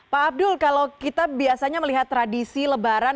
pak abdul kalau kita biasanya melihat tradisi lebaran